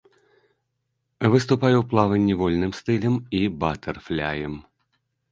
Выступае ў плаванні вольным стылем і батэрфляем.